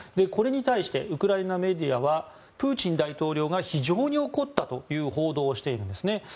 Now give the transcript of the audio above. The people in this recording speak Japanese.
これに対してウクライナメディアはプーチン大統領が非常に怒ったという報道をしているんですね。